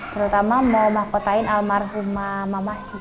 terutama mahkotain almarhumah mamah sih